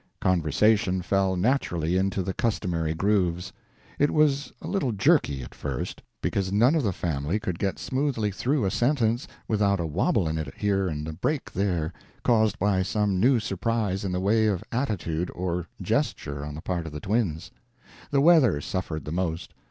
Conversation fell naturally into the customary grooves. It was a little jerky, at first, because none of the family could get smoothly through a sentence without a wabble in it here and a break there, caused by some new surprise in the way of attitude or gesture on the part of the twins. The weather suffered the most.